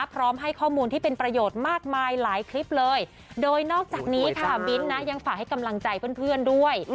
พร้อมให้ข้อมูลที่เป็นประโยชน์มากมายหลายคลิปเลยโดยนอกจากนี้ค่ะบินนะยังฝากให้กำลังใจเพื่อนด้วย